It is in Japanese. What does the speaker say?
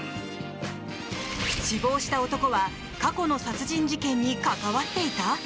死亡した男は過去の殺人事件に関わっていた？